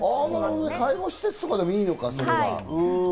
介護施設とかでもいいのか。